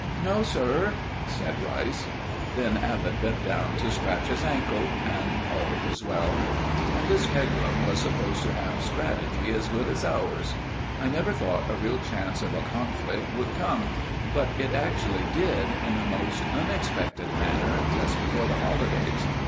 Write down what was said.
"No, sir," said Rice. Then Abbott bent down to scratch his ankle, and all was well. And this Pegram was supposed to have strategy as good as ours! I never thought a real chance of a conflict would come, but it actually did in a most unexpected manner just before the holidays.